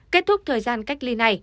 kết thúc thời gian cách ly này